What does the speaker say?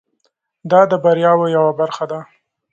دا د بریاوو یوه برخه ده.